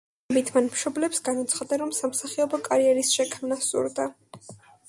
მოგვიანებით მან მშობლებს განუცხადა რომ სამსახიობო კარიერის შექმნა სურდა.